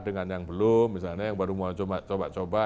dengan yang belum misalnya yang baru mau coba coba